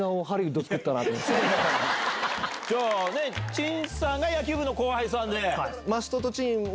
陳さんが野球部の後輩さんで。